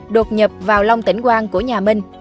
đột nhập vào long tỉnh quang của nhà minh